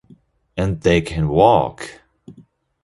And they can walk!